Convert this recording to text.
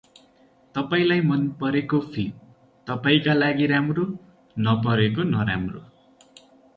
तपाईंलाई मन परेको फिल्म तपाईंका लागि राम्रो, नपरेको नराम्रो ।